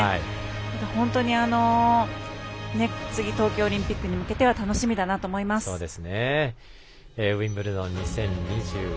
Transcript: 本当に次東京オリンピックに向けては楽しみだなと思います。